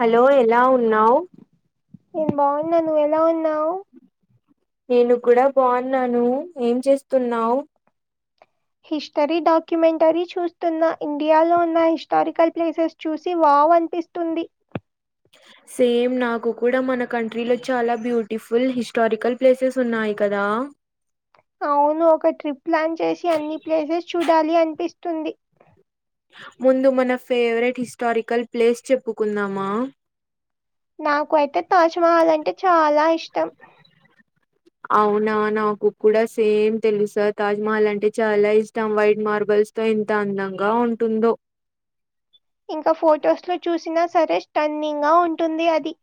hello ఎలా ఉన్నావ్ నీన్ బావున్నా నువ్ ఎలా ఉన్నావ్ నీను కూడా బావున్నాను ఏం చేస్తున్నావ్ హిస్టరీ డాక్యుమెంటరీ చూస్తున్న ఇండియాలో ఉన్న హిస్టారికల్ ప్లేసెస్ చూసి వా అవనిపిస్తుంది హా సేమ్ నాకు కూడా మన కంట్రీలో చాలా బ్యూటిఫుల్ హిస్టరికల్ ప్లేసెస్ ఉన్నాయి కదా అవును ఒక ట్రిప్ ప్లాన్ చేసి అన్ని ప్లేసెస్ చూడాలి అనిపిస్తుంది ముందు మన ఫేవరెట్ హిస్టరికల్ ప్లేస్ చెప్పుకుందామా నాకు అయితే తాజ్ మహల్ అంటే చాలా ఇష్టం అవునా నాకు కూడా సేమ్ తెలుసా తాజ్మహల్ అంటే చాలా ఇష్టం వైట్ మార్బల్ తో ఎంత అందంగా ఉంటుందో ఇంకా ఫొటోస్ లో చూసినా సరే స్టన్నింగ్ గా ఉంటుంది అది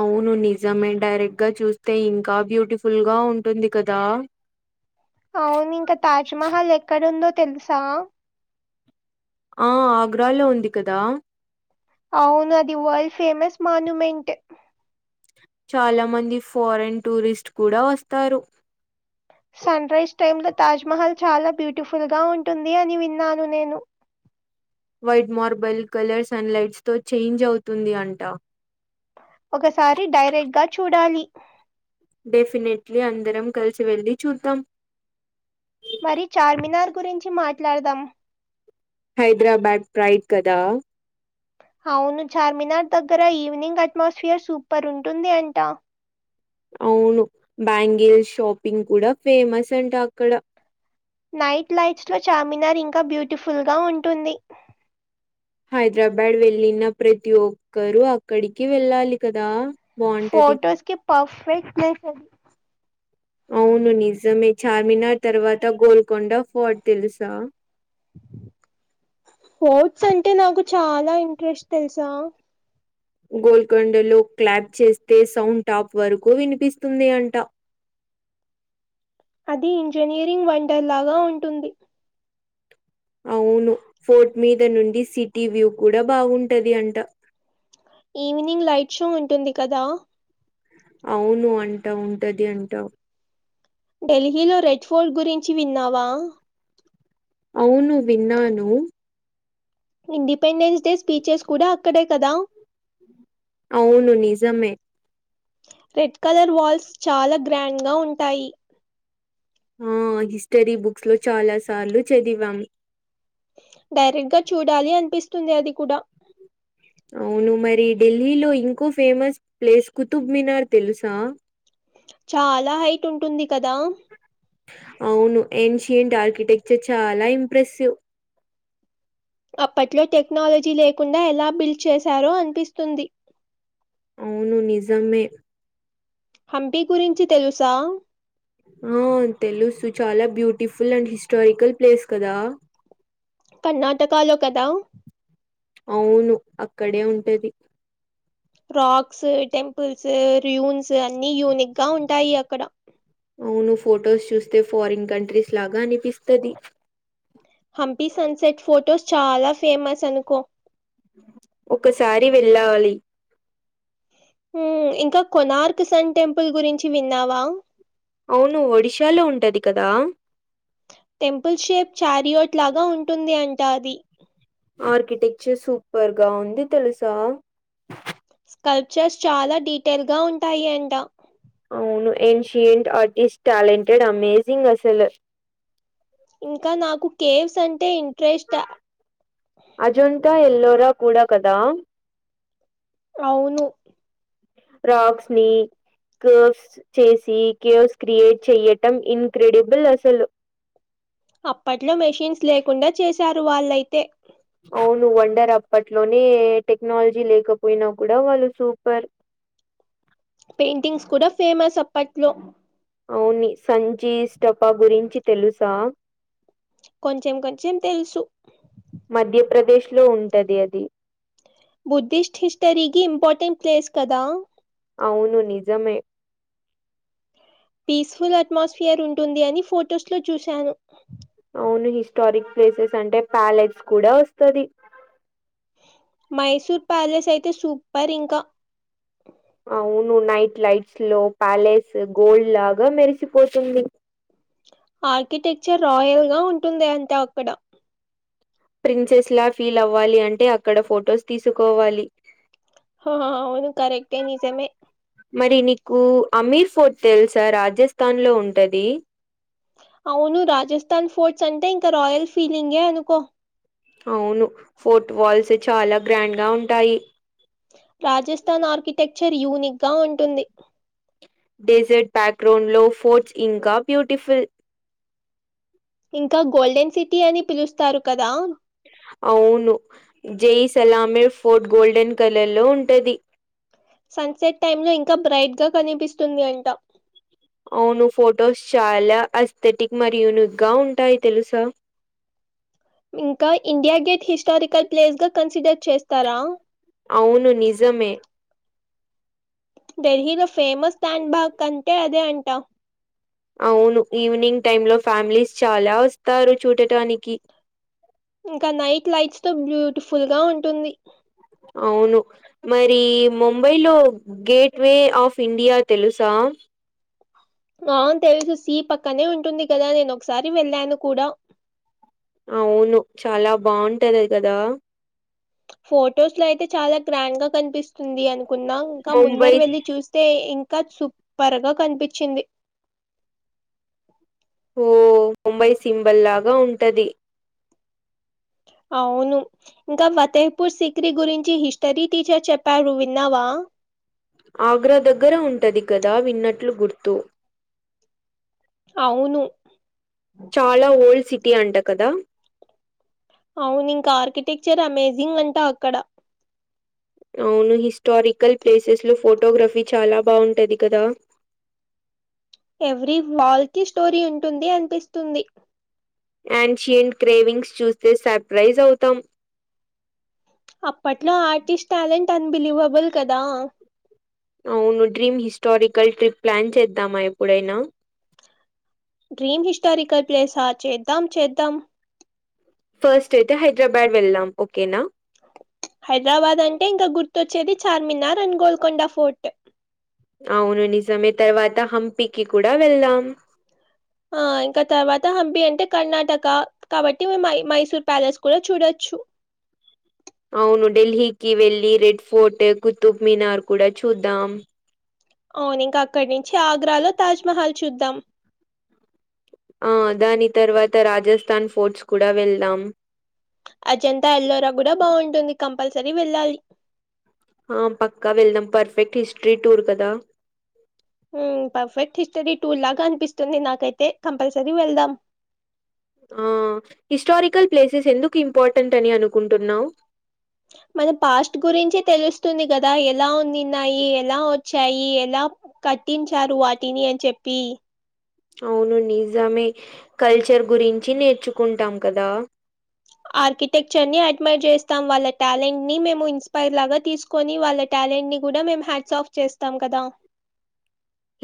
అవును నిజమే డైరెక్ట్ గా చూస్తే ఇంకా బ్యూటిఫుల్ గా ఉంటుంది కదా అవునింక తాజ్ మహల్ ఎక్కడుందో తెలుసా ఆ ఆగ్రాలో ఉంది కదా అవును అది వల్డ్ ఫేమస్ మాన్యుమెంట్ చాలా మంది ఫారెన్ టూరిస్ట్ కూడా వస్తారు సన్రైజ్ టైమ్ లో తాజ్ మహల్ చాలా బ్యూటిఫుల్గా ఉంటుంది అని విన్నాను నేను white marble colour sun lights తో చేంజ్ అవుతుంది అంట ఒకసారి డైరెక్ట్ గా చూడాలి డెఫినెట్లీ అందరం కలిసి వెళ్ళి చూద్దాం మరి చార్మినార్ గురించి మాట్లాడదాం హైదరాబాద్ ప్రైడ్ కదా అవును చార్మినార్ దగ్గర ఈవినింగ్ అట్మాస్ఫియర్ సూపర్ ఉంటుంది అంట అవును బ్యాంగిల్ షాపింగ్ కూడా ఫేమస్ అంట అక్కడ నైట్ లైట్స్ లో చామినార్ ఇంకా బ్యూటిఫుల్గా ఉంటుంది హైదరాబ్యాడ్ వెళ్ళిన ప్రతి ఒక్కరు అక్కడికి వెళ్ళాలి కదా బాగుంటది ఫోటోస్కి పఫెక్ట్ ప్లేసది అవును నిజమే చార్మినార్ తర్వాత గోల్కొండ ఫోర్ట్ తెలుసా స్పోర్ట్స్ అంటే నాకు చాలా ఇంట్రెస్ట్ తెల్సా గోల్కొండలో క్లాప్ చేస్తే సౌండ్ టాప్ వరకు వినిపిస్తుంది అంట అది ఇంజనీరింగ్ వండర్ లాగా ఉంటుంది అవును ఫోర్ట్ మీద నుండి సిటీ వ్యూ కూడా బాగుంటది అంట ఈవినింగ్ లైట్ షో ఉంటుంది కదా అవును అంటా ఉంటది అంటా ఢెల్హీలో రెడ్ ఫోర్ట్ గురించి విన్నావా అవును విన్నాను ఇండిపెండెన్స్ డే స్పీచెస్ కూడా అక్కడే కదా అవును నిజమే రెడ్ కలర్ వాల్స్ చాలా గ్రాండ్గా ఉంటాయి ఆ హిస్టరీ బుక్స్ లో చాలా సార్లు చదివాము డైరెక్ట్ గా చూడాలి అనిపిస్తుంది అది కూడా అవును మరి ఢెల్హీలో ఇంకో ఫేమస్ ప్లేస్ కుతుబ్మినార్ తెలుసా చాలా హైట్ ఉంటుంది కదా అవును ఏన్షియంట్ ఆర్కిటెక్చర్ చాలా ఇంప్రెసివ్ అప్పట్లో టెక్నాలజీ లేకుండా ఎలా బిల్డ్ చేశారో అనిపిస్తుంది అవును నిజమే హంపీ గురించి తెలుసా ఆ తెలుసు చాలా బ్యూటిఫుల్ అండ్ హిస్టారికల్ ప్లేస్ కదా కర్ణాటకాలో కదా అవును అక్కడే ఉంటది రాక్స్ టెంపుల్స్ ర్యూన్స్ అన్ని యూనిక్ గా ఉంటాయి అక్కడ అవును ఫొటోస్ చూస్తే ఫారిన్ కంట్రీస్ లాగా అనిపిస్తది హంపి సన్సెట్ ఫొటోస్ చాలా ఫేమస్ అనుకో ఒకసారి వెళ్ళాలి మ్మ్ ఇంకా కొనార్క్ సన్ టెంపుల్ గురించి విన్నావా అవును ఒడిషాలో ఉంటది కదా టెంపుల్ షేప్ చారియోట్ లాగా ఉంటుంది అంట అది ఆర్కిటెక్చర్ సూపర్ ఉంది తెలుసా స్కల్ప్ చర్స్ చాలా డీటెయిల్ గా ఉంటాయి అంట అవును ఏన్షియట్ ఆర్టిస్ట్ ట్యాలెంటెడ్ అమేసింగ్ అసలు ఇంకా నాకు కేవ్స్ అంటే ఇంట్రెస్ట్ అజొంతా ఎల్లోరా కూడా కదా అవును రాక్స్ ని కోర్వ్స్ చేసి కేవ్స్ క్రియేట్ చెయ్యటం ఇన్క్రెడిబుల్ అసలు అప్పట్లో మెషీన్స్ లేకుండా చేసారు వాళ్ళయితే అవును వండర్ అప్పట్లోనే టెక్నాలజీ లేకపోయినా కూడా వాళ్ళు సూపర్ పెయింటింగ్స్ కూడా ఫేమస్ అప్పట్లో అవునీ సంచీ స్టోపా గురించి తెలుసా కొంచెం కొంచెం తెలుసు మధ్యప్రదేశ్ లో ఉంటది అది బుద్ధిస్ట్ హిస్టరీ గి ఇంపార్టెంట్ ప్లేస్ కదా అవును నిజమే పీస్ఫుల్ అట్మాస్ఫియర్ ఉంటుంది అని ఫొటోస్ లో చూశాను అవును హిస్టారిక్ ప్లేసెస్ అంటే ప్యాలెట్స్ కూడా వస్తాది మైసూర్ ప్యాలెస్ అయితే సూపర్ ఇంకా అవును నైట్ లైట్స్ లో ప్యాలెస్ గోల్డ్ లాగా మెరిసిపోతుంది ఆర్కిటెక్చర్ రాయల్ గా ఉంటుంది ఎంతో అక్కడ ప్రిన్సెస్ లా ఫీల్ అవ్వాలి అంటే అక్కడ ఫోటోస్ తీసుకోవాలి హా, అవును కరెక్టే నిజమే మరి నీకు అమీర్ ఫోర్ట్ తెలుసా రాజస్థాన్ లో ఉంటది అవును రాజస్థాన్ ఫోర్ట్స్ అంటే ఇంకా రాయల్ ఫీల్డింగే అనుకో అవును ఫోట్ వాల్సే చాలా గ్రాండ్ గా ఉంటాయి రాజస్థాన్ ఆర్కిటెక్చర్ యూనిక్ గా ఉంటుంది డెసర్ట్ బ్యాక్గ్రౌండ్ లో ఫోర్ట్స్ ఇంకా బ్యూటిఫుల్ ఇంకా గోల్డెన్ సిటీ అని పిలుస్తారు కదా అవును జైసలామే ఫోర్ట్ గోల్డెన్ కలర్ లో ఉంటది సన్ సెట్ టైం లో ఇంకా బ్రైట్ గా కనిపిస్తుంది అంట అవును ఫొటోస్ చాలా అస్థెటిక్ మరి యూనిక్ గా ఉంటాయి తెలుసా ఇంకా ఇండియా గేట్ హిస్టారికల్ ప్లేస్ గా కన్సిడర్ చేస్తారా అవును నిజమే డెల్హీ లో ఫేమస్ టాంగ్ బాగ్ కంటే అదే అంటా అవును ఈవినింగ్ టైం లో ఫ్యామిలీస్ చాలా వస్తారు చూడటానికి ఇంకా నైట్ లైట్స్ తో బ్యూటిఫుల్ గా ఉంటుంది అవును మరి ముంబైలో గేట్ వే ఆఫ్ ఇండియా తెలుసా అవును తెలుసు సీ పక్కనే ఉంటుంది కదా నేను ఒకసారి వెళ్ళాను కూడా అవును చాలా బావుంటాది కదా ఫొటోస్ లో అయితే చాలా గ్రాండ్ గా కనిపిస్తుంది అను కున్నాం ఇంకా ముందర ముంబై వెళ్ళలి చూస్తే ఇంకా సుప్పర్గా కనిపించింది ఓ ముంబై సింబల్ లాగా ఉంటది అవును ఇంకా ఫతేఫూర్ సిక్రిీ గురించి హిస్టరీ టీచర్ చెప్పారు విన్నవా ఆగ్రా దగ్గర ఉంటది కదా విన్నట్లు గుర్తు అవును చాలా ఓల్డ్ సిటీ అంట కదా అవును ఇంక ఆర్కిటెక్చర్ అమేజింగ్ అంటా అక్కడ అవును హిస్టారికల్ ప్లేసెస్ లో ఫోటోగ్రఫీ చాలా బావుంటది కదా ఎవ్రీ వాల్ కి స్టోరీ ఉంటుంది అనిపిస్తుంది యాన్షియంట్ గ్రేవింగ్స్ చూస్తే సర్ప్రైజ్ అవుతాం అప్పట్లో ఆర్టిస్ట్ టాలెంట్ అన్బిలీవబుల్ కదా అవును డ్రీమ్ హిస్టారికల్ ట్రిప్ ప్లాన్ చేద్దామా ఎప్పుడైనా డ్రీమ్ హిస్టారికల్ ప్లేసా చేద్దాం చేద్దాం ఫస్ట్ అయితే హైదరాబాద్ వెళ్ళాం ఓకేనా హైదరాబాద్ అంటే ఇంకా గుర్తొచ్చేది చార్మినార్ అండ్ గోల్కొండ ఫోర్ట్ అవును నిజమే తర్వాత హంపికి కూడా వెళ్దాం ఆ ఇంకా తర్వాత హంపీ అంటే కర్ణాటక కాబట్టి మేము మై మైసూర్ ప్యాలెస్ కూడా చూడొచ్చు అవును ఢిల్లీకి వెళ్ళి రెడ్ ఫోర్ట్ కుతుబ్ మినార్ కూడా చూద్దాం అవును ఇంక అక్కడి నుంచి ఆగ్రాలో తాజ్మహల్ చూద్దాం ఆ దాని తర్వాత రాజస్థాన్ ఫోర్ట్స్ కూడా వెళ్దాం అజంతా ఎల్లోరా కూడా బావుంటుంది కంపల్సరీ వెళ్ళాలి ఆ పక్కా వెళ్దాం పర్ఫెక్ట్ హిస్టరీ టూర్ కదా పర్ఫెక్ట్ హిస్టరీ టూర్ లాగా అనిపిస్తుంది నాకైతే కంపల్సరీ వెళ్దాం మ్ హిస్టారికల్ ప్లేసెస్ ఎందుకు ఇంపార్టెంట్ అని అనుకుంటున్నావు మన పాస్ట్ గురించి తెలుస్తుంది కదా ఎలా ఉ న్నిన్నాయి ఎలా వచ్చాయి ఎలా కట్టించారు వాటిని అని చెప్పి అవును నిజమే కల్చర్ గురించి నేర్చుకుంటాం కదా ఆర్కిటెక్చర్ ని అడ్మైర్ చేస్తాం వాళ్ళ టాలెంట్ ని మేము ఇన్స్పైైర్ లాగా తీసుకొని వాళ్ళ టే టాలెంట్ ని కూడా మేం హ్యాట్సాఫ్ ఆఫ్ చేస్తాం కదా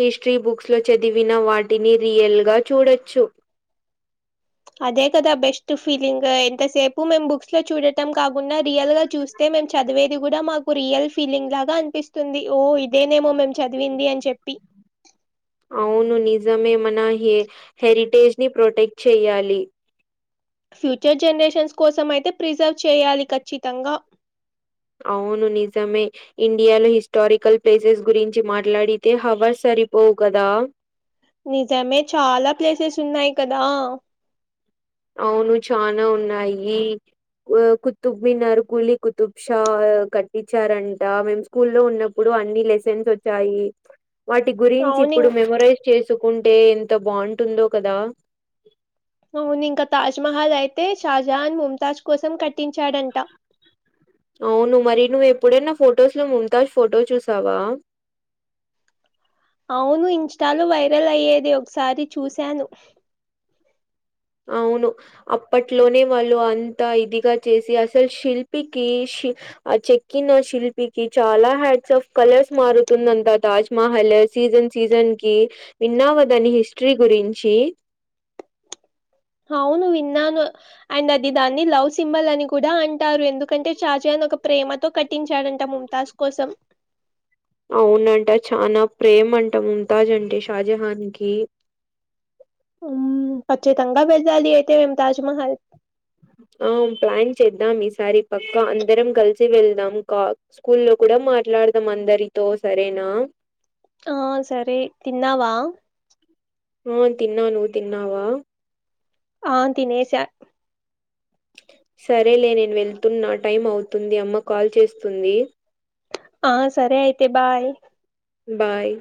హిస్టరీ బుక్స్ లో చదివిన వాటిని రియల్గా చూడొచ్చు అదే కదా బెస్ట్ ఫీలింగ్ ఎంతసేపు మేం బుక్స్ లో చూడటం కాకుండా రియల్ గా చూస్తే చదివేది కూడా మాకు రియల్ ఫీలింగ్ లాగా అనిపిస్తుంది ఓ ఇదేనేమో మేము చదివింది అని చెప్పి అవును నిజమే మన హెరిటేజ్ ని ప్రొటెక్ట్ చేయ్యాలి ఫ్యూచర్ జనరేషన్స్ కోస అయితే ప్రిజర్వ్ చేయాలి ఖచ్చితంగా అవును నిజమే ఇండియాలో హిస్టారికల్ ప్లేసెస్ గురించి మాట్లాడితే హవర్ స రిపోవు కదా నిజమే చాలా ప్లేసెస్ ఉన్నాయి కదా అవును చానా ఉన్నాయి కుత్తుబ్ మినార్ కలీ కుతుబ్షా కట్టించారంట మేము స్కూ లో ఉన్నప్పుడు అన్ని లెసన్స్ వచ్చాయి వాటి గురించి అవును ఇప్పుడు ఇం- మెమరైజ్ చేసుకుంటే ఎంత బాగుంటుందో కదా అవును ఇంకా తాజ్మహల్ అయితే షాజహాన్ ముంతాజ్ కోసం కట్టించాడంట అవును మరి నువ్వు ఎప్పుడనా ఫొటోస్ లో ముంతాజ్ ఫొటో చూసావా అవును ఇన్స్టాలో వైరల్ అయ్యేది ఒకసారి చూశాను అవును అప్పట్లోనే వాళ్ళు అంత ఇదిగా చేసి అసలు శిల్పికి ఆ చెక్కిన శిల్పికి చాలా హ్యాడ్స్ ఆఫ్ కలర్స్ మారుతుందంతా తాజ్ మహల్ సీజన్ సీజన్ కి విన్నావ దాని హిస్టరీ గురించి అవును విన్నాను అండ్ అది దాన్ని లవ్ సింబల్ అని కూడా అంటారు ఎందుకంటే ఒక ప్రేమతో కట్టించాడంట ముంతాజ్ కోసం [inaudible] అవునంట చానా ప్రేమంట ముంతాజ్ అంటే షాజహాన్ కి [inaudible] కచ్చితంగా వెళ్లాలి అయితే తాజ్ మహల్ [inaudible] ఆ ప్లాన్ చేద్దాం ఈసారి పక్క అందరం కలిసి వెళ్దాం క స్కూల్లో కూడా మాట్లా మందరితో సరేనా ఆ సరే తిన్నావా ఆ తిన్నా నువ్వు తిన్నావా ఆ తినేస సరేలే నేను వెళ్తున్నా టైం అవుతుంది అమ్మ కాల్ చేస్తుంది ఆ సరే అయితే బాయ్ బాయ్